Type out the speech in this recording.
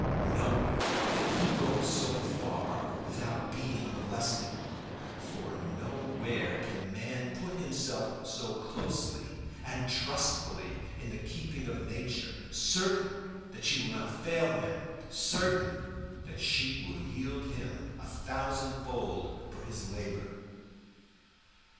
Nowhere can he go so far without being molested; for nowhere can man put himself so closely and trustfully in the keeping of nature, certain that she will not fail him, certain that she will yield him a thousand fold for his labor.